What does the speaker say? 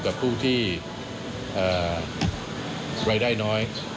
กับผู้ที่รายได้น้อย